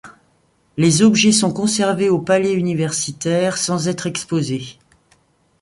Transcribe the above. Les objets sont conservés au Palais universitaire, sans être exposés.